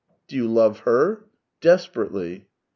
Do you love her ?"" Desperately."